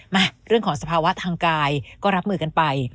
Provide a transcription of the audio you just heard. มาเรื่องของสภาวะทางกายก็รับมือกันไป